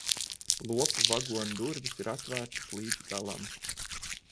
Lopu vagona durvis ir atvērtas līdz galam.